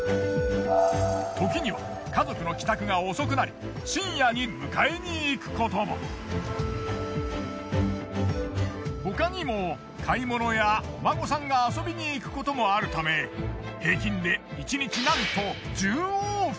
ときには家族の帰宅が遅くなり他にも買い物やお孫さんが遊びに行くこともあるため平均で１日なんと１０往復。